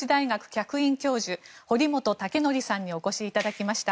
客員教授堀本武功さんにお越しいただきました。